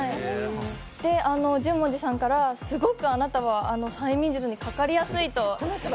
十文字さんからすごくあなたは催眠術にかかりやすいと。